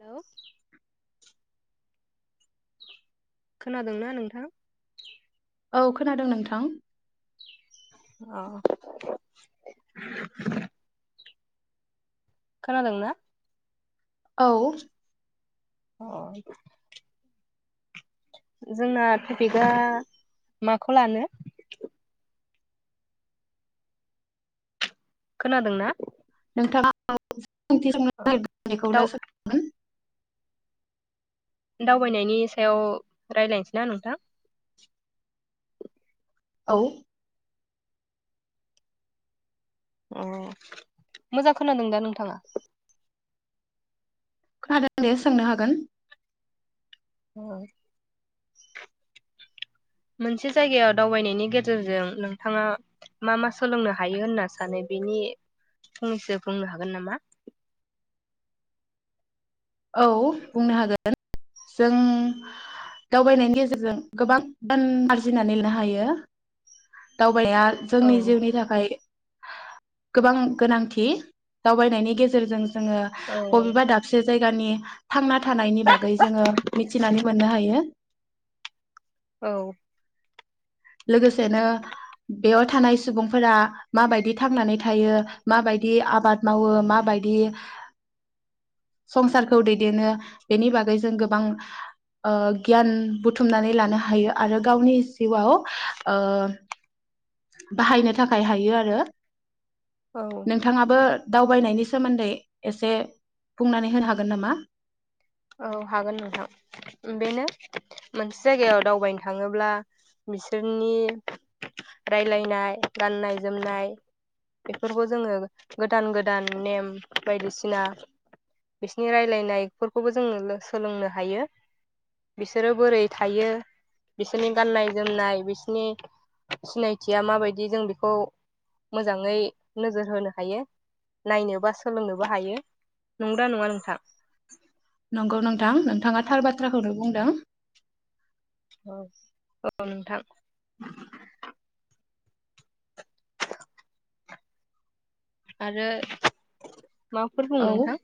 Hello खोनादोंना नोंथां औ खोनादों नोंथां अ खोनादोंना औ अ जोंना टपिकआ माखौ लानो? खोनादोंना [unintelligible] अ [unintelligible] दाव [inaudible] दावबायनायनि सायाव रायलायनोसै ना नोंथां? औ औ मोजां खोनादों दा नोंथाङा खोनादों दे सोंनो हागोन उम मोनसे जायगायाव दावबायनायनि गेजेरजों नोंथाङा मा मा सोलोंनो हायो होनना सानो बेनि फंनैसो बुंनो हागोन नामा औ बुंनो हागोन जों दावबायनायनि गेजेरजों गोबां गियान आरजिनानै लिरनो हायो बाया औ जोंनि जिउनि थाखाय गोबां गोनांथि दावबायनायनि गेजेरजों जोङो औ बबेबा दाबसे जायगानि थांना थानायनि बागै जोङो मिथिनानै मोननो हायो औ लोगोसेनो बेयाव थानाय सुबुंफोरा माबायदि थांनानै थायो माबायदि आबाद मावो माबायदि संसारखौ दैदेनो बेनि बागै जों गोबां ओ गियान बुथुमनानै लानो हायो आरो गावनि जिउआव ओ बाहायनो थाखाय हायो आरो औ नोंथाङाबो दावबायनायनि सोमोन्दै एसे बुंनानै होनो हागोन नामा औ हागोन नोंथां बेनो मोनसे जायगायाव दावबायनो थाङोब्ला बिसोरनि रायलायनाय गाननाय जोमनाय बेफोरखौ जोङो गोदान गोदान नेम बायदिसिना बिसोरनि रायलायनायफोरखौ खौबो जोङो सोलोंनो हायो बिसोरो बोरै थायो बिसोरनि गाननाय जोमनाय बिसोरनि सिनायथिया माबायदि जों बेखौ मोजाङै नोजोर होनो हायो नायनो बा सोलोंनोबो हायो नंगौना नङा नोंथां नंगौ नोंथां नोंथाङा थार बाथ्राखौनो बुंदों औ औ नोंथां आरो माबाफोर बुं औ नोंथां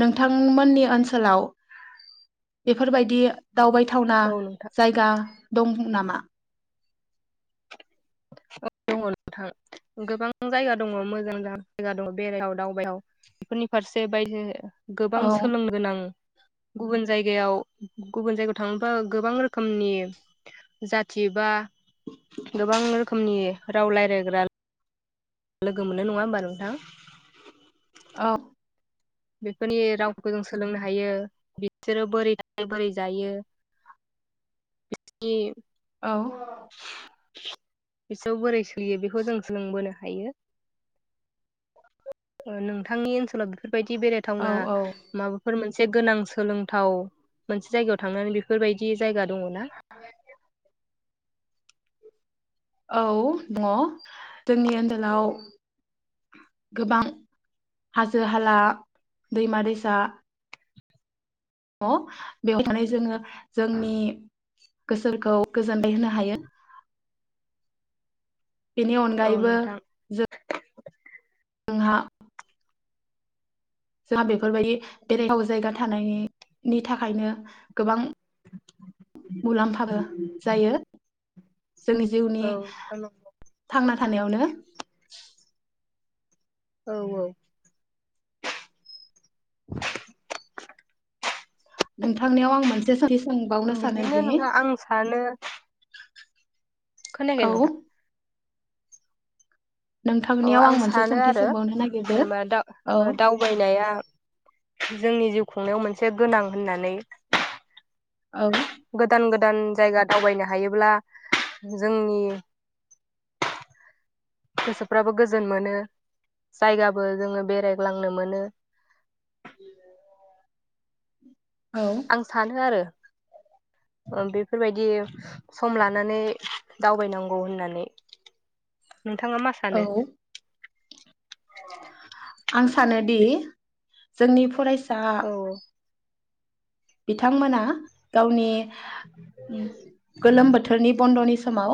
नोंथांमोननि ओनसोलाव बेफोरबायदि दावबायथावना औ नोंथां जायगा दं नामा? औ‌ दङ नोंथां गोबां जायगा दङ मोजां मोजां जायगा दङ बेरायथाव दावबायथाव बेफोरनि फारसे बायजो गोबां औ सोलोंनो गोनां गुबुन जायगायाव गुबुन जायगायाव थाङोबा गोबां रोखोमनि जाथि बा गोबां रोखोमनि राव लायरायग्रा लोगो मोनो नङा होमबा नोंथां। औ बेफोरनि रावफोरखौ जों सोलोंनो हायो। बिसोरो बोरै थायो बोरै जायो बिसोरनि औ बिसोर बोरै सोलियो बेखौ जों सोलोंबोनो हायो। ओ नोंथांनि ओनसोलाव बेफोर बायदि औ बेरायथावना औ माबाफोर मो से गोनां सोलोंथाव मोनसे जायगायाव थांनानै बेफोरबायदि जायगा दङ ना। औ दङ जोंनि ओनदोलाव गोबां हाजो हाला दैमा दैसा ङ बेयाव थानाय जोङो जोंनि गोसोखौ गोजोनलाय होनो हायो। बेनि औ अनगायैबो नोंथां जों [unintelligible] हा जोंहा बेफोरबायदि बेरायथाव जायगा थानायनि थाखायनो गोबां मुलाम्फाबो जायो जोंनि जिउनि औ नोंथां नंगौ थांना थानायावनो औ औ। [inaudible] नोंथांनियाव आं मोनसे सोंथि सोंबावनो बिदिनो सानोदि नोंथां आं सानो खोनायाखै औ नोंथां? औ नोंथांनियाव आं मोनसे सानो सोंथि आरो सोंबावनो नागिरदो जेनबा औ दा-दावबायनाया जोंनि जिउ खुंनायाव मोनसे गोनां होननानै। औ गोदान गोद दान जायगा दावबायनो हायोब्ला जोंनि गोसो फ्राबो गोजोन मोनो जायगाबो जोङो बेरायग्लांनो मोनो। [unintelligible] आं सानो आरो। ओ बेफोरबायदि सम लानानै दावबायनांगौ होननानै। नोंथाङा मा सानो? औ आं सानोदि जोंनि फरायस दा औ बिथांमोना गावनि गोलोम बोथोरनि बन्द'नि समाव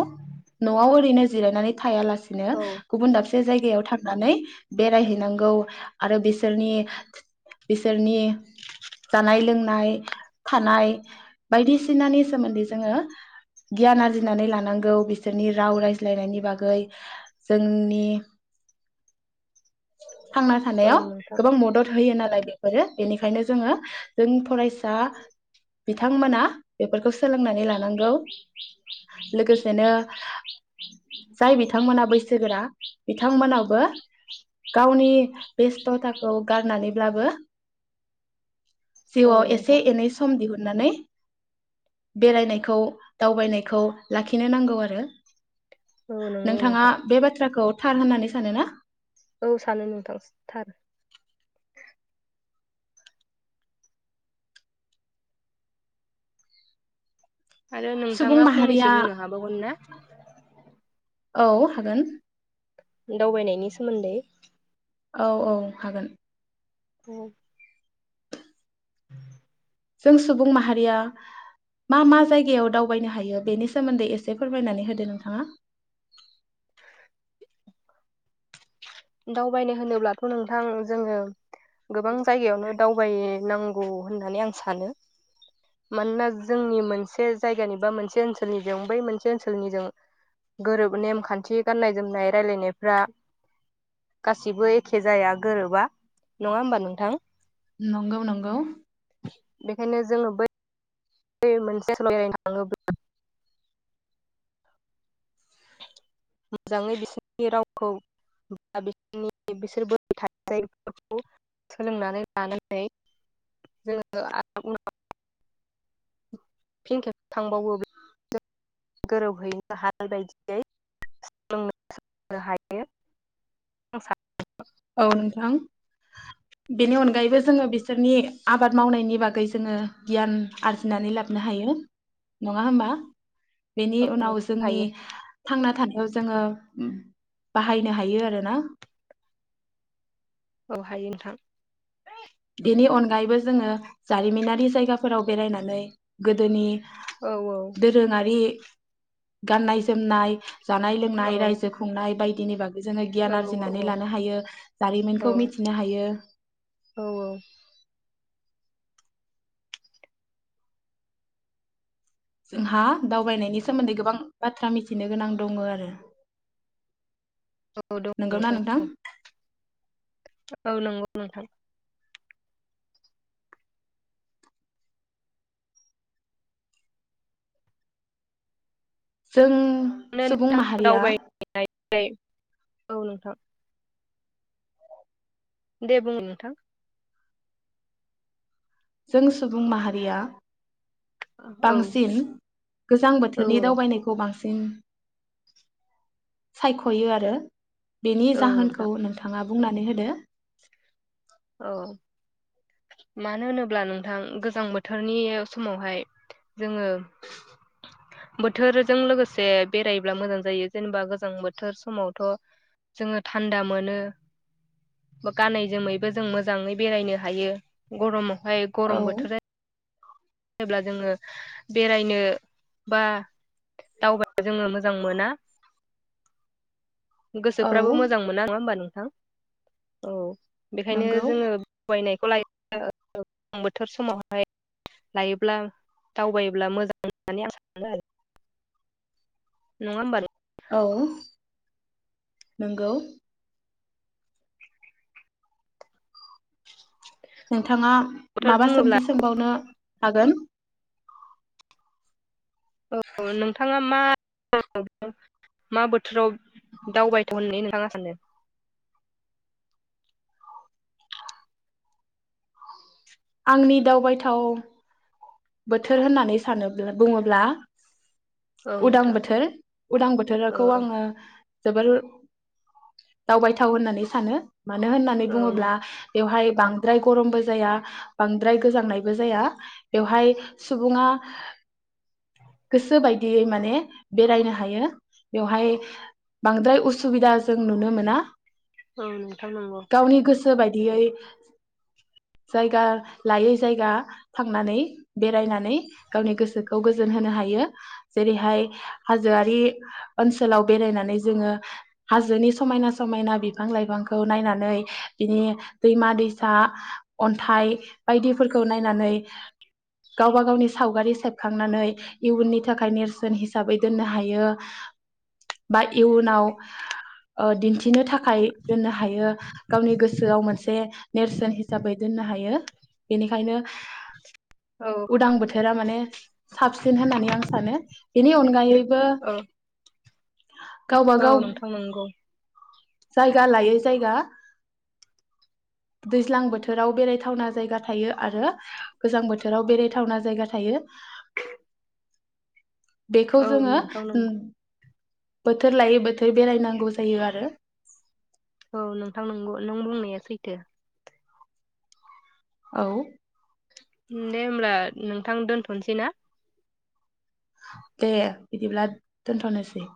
न'आव ओरैनो जिरायनानै थायालासे नो औ गुबन दाबसे जायगायाव थांनानै बेरायहैनांगौ आरो बिसोरनि बिसोरनि जानाय लोंनाय थानाय बायदि सिनानि सोमोन्दै जोङो गियान आरजिनानै लानांगौ बिसोरनि राव रायज्लायनायनि बागै जोंनि थांना औ थानायाव गोबां मदद होयो नाल बेफोरो बेनिखायनो जोङो जों फरायसा दा बिथांमोना बेफोरखौ सो सोलोंनानै लानांगौ लोगोसेनो जाय बिथांमोना बैसोगोरा बिथांमोनावबो गावनि बेस्थथाखौ गारनानैब्लाबो जिउआव औ एसे नोंथां। एनै सम दिहुननानै बेरायनायखौ दावबायनायखौ लाखिनो नांगौ आरो। औ नंगौ नोंथाङा नोंथां बे बाथ्राखौ थार होननानै सानो ना? औ सानो नोंथां थार। आरो सुबुं नोंथाङा माहारिया फंनैसो बुंनो हाबावगोनना? औ हागोन। दावबायनायनि सोमोन्दै। औ औ हागोन। [unintelligible] जों सुबुं माहारिया मा मा जायगायाव दावबायनो हायो? बेनि सोमोन्दै एसे फोरमायनानै होदो नोंथाङा। दावबायनो होनोब्लाथ नोंथां जोङो गोबां जायगायावनो दावबायनांगौ होननानै आं सानो मानोना जोंनि मोनसे जायगानि बा मोनसे ओनसोलनिजों बै मोनसे ओनसोलनिजों गोरोब नेमखान्थि गाननाय जोमनाय रायलायनायफ्रा गासिबो एखे जाया गोरोबा नङा होमबा नोंथां। नंगौ नंगौ। बेखायनो जोङो बै बे मोनसे बेरायनो थाङोब्ला। मोजाङै बिसोरनि रावखौ बा बिनि बिसोरबो थानाय जायगाफोरखौ सोलोंनानै लानानै जोङो उनाव फिन खेब थांबावो बे गोरोबहैनो हागोन बायदियै सोलोंनो हायो सानो औ नोंथां। बेनि अनगायैबो जोङो बिसोरनि आबाद मावनायनि नि बागै जोङो गियान आरजिनानै लाबोनो हायो नङा होमबा? बेनि उनाव जोंनि हायो थांना थानाय बेयाव जोङो बाहायनो हायो आरोना? औ हायो नोंथां। बेनि अनगायैबो जोङो जारिमिनारि जायगाफोराव बेरायनानै गोदोनि औ औ दोरोङारि गाननाय जोमनाय जानाय औ लोंनाय रायजो खुंनाय बायदि दिनि बा जोङो गियान औ आरजिनानै लानो हायो जारिमिनखौ मिथिनो हायो। औ जोंहा दावबायनायनि सोमोन्दै गोबां बाथ्रा मिथिनो गोनां दङ आरो औ दङ नोंथां औ नंगौ नोंथां जों सुबुं नोंथां माहारिया दावबायनाय औ नोंथां दे बुं नोंथां जों सुबुं माहारिया औ औ बांसिन गोजां औ बोथोरनि दावबायनायखौ बांसिन सिन सायख'यो आरो बेनि औ नोंथां जाहोनखौ नोंथाङा बुंनानै होदो औ मानो होनोब्ला नोंथां गोजां बोथोरनि समावहाय जोङो बोथोरजों लोगोसे बेरायोब्ला मोजां जायो जेनेबा गोजां बोथोर समावथ' जोङो थान्दा मोनो बा गानै जोमै बो जों मोजाङै बेरायनो हायो गरमाव ओमाय औ गरम बोथोर जायोब्ला जोङो बेरायनो बा दावब जोङो मोजां मोना औ गोसोफ्राबो मोजां मोना नङा होमबा नों थां औ बेखायनो नंगौ जोङो बायनायखौ लायो। गो बोथोर समावहाय लायोब्ला दावबायोब्ला मोजां होननानै आं सानो आरो। नङा होनबा नोंथां औ नंगौ। औ थाङा बोथोर माबा बुङोब्ला सोंथि सोंबावनो हागोन औ नोंथाङा मा मा बोथोराव दावबायथाव होननानै नोंथाङा सानो? आंनि दावबायथाव बोथोर होननानै सानोब्ला बुङोब्ला औ उदां नोंथां बोथोर उदां औ बोथोरखौ आङो जोबोर दावबायथाव होननानै सानो मानो होननानै औ बुङोब्ला बेवहाय बांद्राय गरमबो जाया बांद्राय गोजांनायबो जाया। बेवहाय सुबुङा गोसो बायदियै माने बेरायनो हायो बेवहाय बांद्राय उसुबिदा जों नुनो मोना। औ नोंथां नंगौ। सो बायदियै जायगा लायै जायगा थांनानै बेरायनानै गावनि गोसोखौ गोजोन होनो हायो जेरैहाय हाजोआरि ओनसोलाव बेरायनानै जोङो हाजोनि समायना समायना बिफां लाइफांखौ नायनानै बिनि दैमा दैसा अन्थाइ बायदिफोरखौ नायनानै गावबा गावनि सावगारि सेबखांनानै इयुननि थाखाय नेरसोन हिसाबै दोननो हायो। बा इयुनाव ओ दिन्थिनो थाखाय दोननो हायो गावनि गोसोआव मोनसे नेरसोन हिसाबै दोननो हायो बेनिखायनो औ उदां बोथोरा माने साबसिन होननानै आं सानो बेनि अन गाय बो औ नोंथां नोंगौ। जायगा लायै जायगा दैज्लां बोथोराव बेरायथावना जायगा थायो आरो गोजां बोथोराव बेरायथावना जायगा थायो। बेखौ औ जोङो नोंथां नंगौ बोथोर लायै बोथोर बेरायनांगौ जायो आरो औ नोंथां नोंगौ नों बुंनाया सैथो। औ दे होमब्ला नोंथां दोनथ'नोसै ना? दे बिदिब्ला दोनथ'नोसै।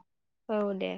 औ दे